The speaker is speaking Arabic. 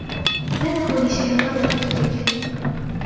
لا تقولي شيئًا قبل التفكير فيه.